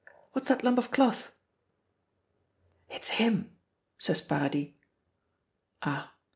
What's that lump of cloth?" "It's him," says Paradis. Ah!